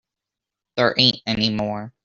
There ain't any more.